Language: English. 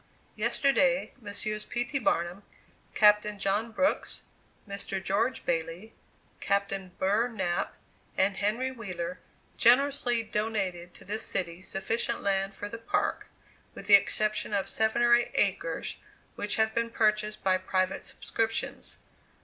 Yesterday Messrs. P. T. Barnum, Captain John Brooks, Mr. George Bailey, Captain Burr Knapp, and Henry Wheeler generously donated to this city sufficient land for the Park, with the exception of seven or eight acres, which have been purchased by private subscriptions.